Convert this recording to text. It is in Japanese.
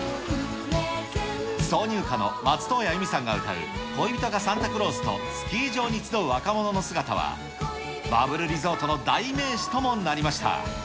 挿入歌の松任谷由実さんが歌う恋人がサンタクロースと、スキー場に集う若者の姿は、バブルリゾートの代名詞ともなりました。